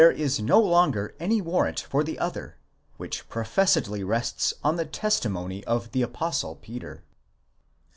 665 is no longer any warrant for the other, which professedly rests on the testimony of the Apostle Peter.